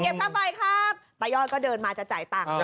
เก็บข้างใกล้ครับปะย่อยก็เดินมาจะจ่ายตังค์